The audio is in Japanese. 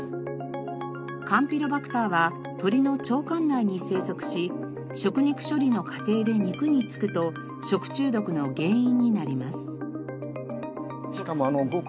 カンピロバクターは鶏の腸管内に生息し食肉処理の過程で肉に付くと食中毒の原因になります。